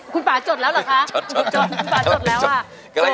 คุณป่าจดแล้วหรอคะ